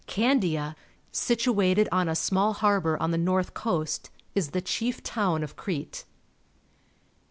Candia, situated on a small harbour on the north coast, is the chief town of Crete.